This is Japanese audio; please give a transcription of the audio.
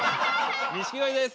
錦鯉です。